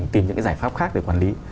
tìm những giải pháp khác để quản lý